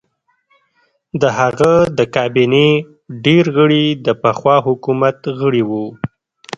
د هغه د کابینې ډېر غړي د پخوا حکومت غړي وو.